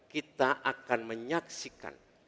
kita akan menyaksikan